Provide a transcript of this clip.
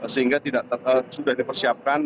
sehingga sudah dipersiapkan